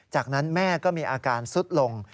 จากนั้นแม่ก็มีอาการสุดลง